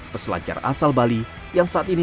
peselancar asal bali yang saat ini